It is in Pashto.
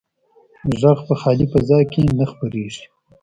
غږ په خالي فضا کې نه خپرېږي.